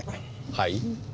はい？